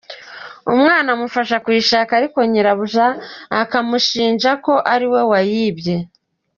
Umwana amufasha kuyishaka ariko nyirabuja akamushinja ko ariwe wayibye.